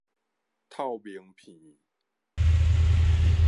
透明片